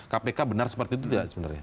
kpk benar seperti itu tidak sebenarnya